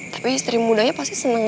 tapi istri mudanya pasti seneng banget